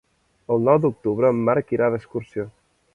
El nou d'octubre en Marc irà d'excursió.